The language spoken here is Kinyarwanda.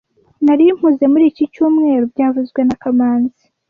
Nari mpuze muri iki cyumweru byavuzwe na kamanzi